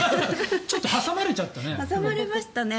ちょっと挟まれちゃったね。